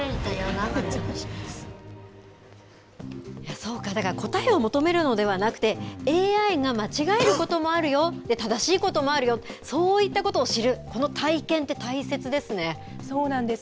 そうか、だから答えを求めるのではなくてＡＩが間違えることもあるよって正しいこともあるよってそういうことも教えるそうなんです